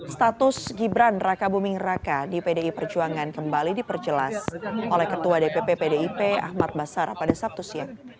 status gibran raka buming raka di pdi perjuangan kembali diperjelas oleh ketua dpp pdip ahmad basara pada sabtu siang